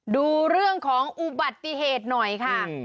ดูเรื่องของอุบัติเหตุหน่อยค่ะ